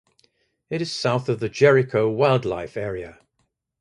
It is south of the Jerico Wildlife Area.